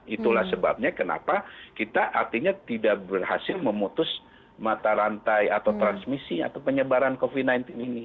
itulah sebabnya kenapa kita artinya tidak berhasil memutus mata rantai atau transmisi atau penyebaran covid sembilan belas ini